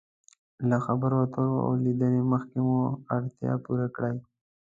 له خبرو اترو او لیدنې مخکې مو اړتیا پوره کړئ.